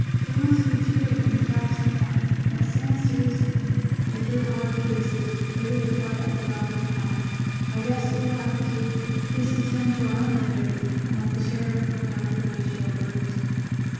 "There must be two of them, perhaps more; and it stands to reason that they're hard cases, ready to fight at the drop of the hat. I guess we'll have to just attend to our own affairs, and let the sheriff look after these jail birds."